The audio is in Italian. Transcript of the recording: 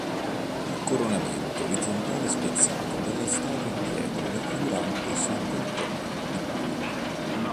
Il coronamento orizzontale è spezzato dalla statua in pietra raffigurante sant'Antonio di Padova.